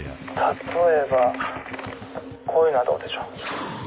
例えばこういうのはどうでしょう？